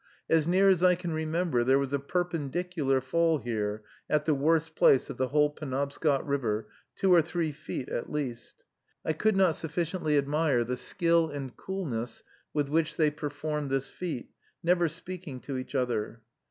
As near as I can remember, there was a perpendicular fall here, at the worst place of the whole Penobscot River, two or three feet at least. I could not sufficiently admire the skill and coolness with which they performed this feat, never speaking to each other.